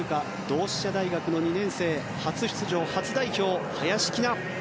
同志社大学の２年生初出場、初代表の林希菜。